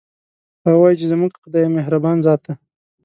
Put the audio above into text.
هغه وایي چې زموږ خدایمهربان ذات ده